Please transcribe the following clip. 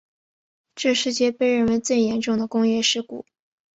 该事件被认为最严重的工业事故。